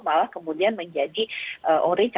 malah kemudian menjadi orange